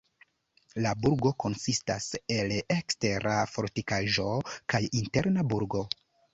La burgo konsistas el ekstera fortikaĵo kaj interna burgo.